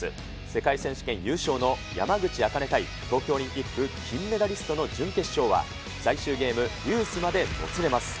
世界選手権優勝の山口茜対東京オリンピック金メダリストの準決勝は、最終ゲーム、デュースまでもつれます。